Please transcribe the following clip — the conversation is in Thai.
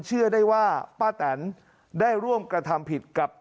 เชื่อได้ว่าป้าแตนได้ร่วมกระทำผิดกับ